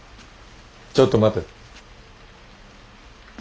ちょっと待て。